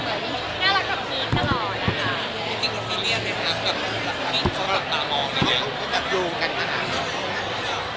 เพราะว่าตามองที่เขาจะอยู่กันมาก